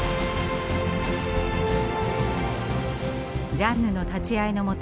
ジャンヌの立ち会いのもと